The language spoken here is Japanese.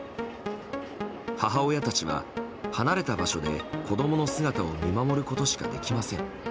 母親たちは離れた場所で子供の姿を見守ることしかできません。